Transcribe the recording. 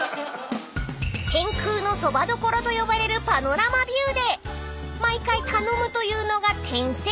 ［天空のそばどころと呼ばれるパノラマビューで毎回頼むというのが］